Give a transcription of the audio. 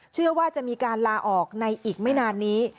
เชื่อว่าจะมีการลาออกในอีกไม่นานนี้